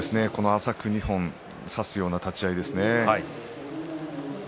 浅く２本差すような立ち合いですね。